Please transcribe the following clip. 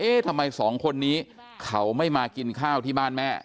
ทำไมสองคนนี้เขาไม่มากินข้าวที่บ้านแม่